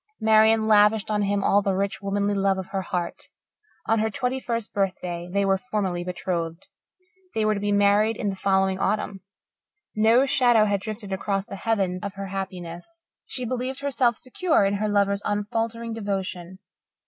Marian lavished on him all the rich, womanly love of her heart. On her twenty first birthday they were formally betrothed. They were to be married in the following autumn. No shadow had drifted across the heaven of her happiness. She believed herself secure in her lover's unfaltering devotion.